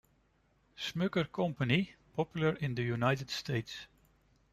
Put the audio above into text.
Smucker Company popular in the United States.